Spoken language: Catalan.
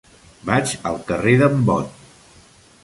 Vaig al carrer d'en Bot.